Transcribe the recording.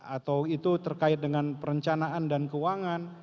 atau itu terkait dengan perencanaan dan keuangan